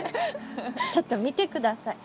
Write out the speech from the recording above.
ちょっと見て下さい。